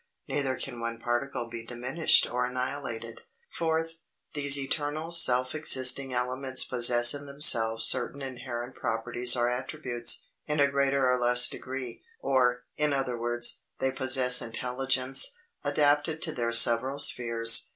Neither can one particle be diminished or annihilated. Fourth. These eternal, self existing elements possess in themselves certain inherent properties or attributes, in a greater or less degree; or, in other words, they possess intelligence, adapted to their several spheres.